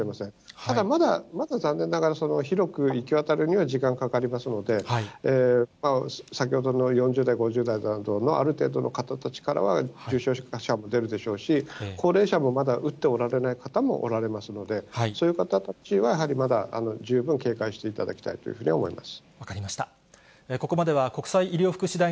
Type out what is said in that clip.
ただ、まだ残念ながら、広く行き渡るには時間かかりますので、先ほどの４０代、５０代などの、ある程度の方たちからは重症者も出るでしょうし、高齢者もまだ打っておられない方もおられますので、そういう方たちはやはり、まだ十分警戒していただきたいというふうには思います。